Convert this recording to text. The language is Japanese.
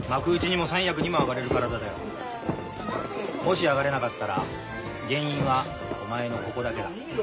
もし上がれなかったら原因はお前のここだけだ。